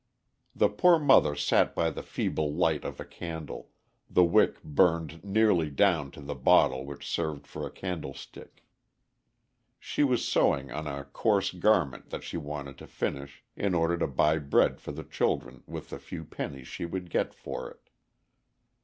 The poor mother sat by the feeble light of a candle, the wick burned nearly down to the bottle which served for a candlestick. She was sewing on a coarse garment that she wanted to finish, in order to buy bread for the children with the few pennies she would get for it.